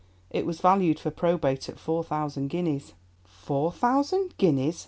It was valued for probate at £4,000 guineas." "Four thousand guineas!"